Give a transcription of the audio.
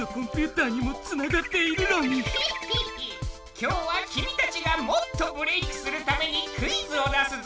今日は君たちがもっとブレイクするためにクイズを出すぞ！